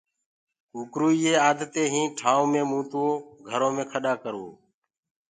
ڪوڪروئي يي آدتين هين ٺآئون مي متوو گھرو مي کڏآ ڪروو